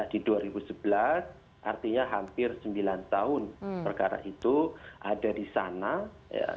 di dua ribu sebelas artinya hampir sembilan tahun perkara itu ada di sana ya